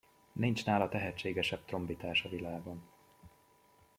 Nincs nála tehetségesebb trombitás a világon!